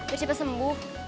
biar cepat sembuh